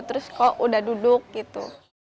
terus kok udah duduk gitu